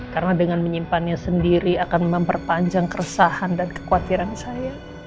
karena dengan menyimpannya sendiri akan memperpanjang keresahan dan kekhawatiran saya